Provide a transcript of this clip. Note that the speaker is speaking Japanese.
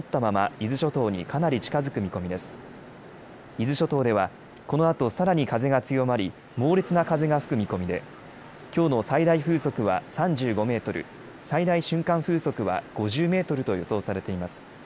伊豆諸島では、このあとさらに風が強まり猛烈な風が吹く見込みできょうの最大風速は３５メートル、最大瞬間風速は５０メートルと予想されています。